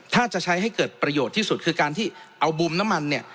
ถ้าจะใช้ให้เกิดประโยชน์ที่สุดคือการที่เอาบูมน้ำมันเนี่ย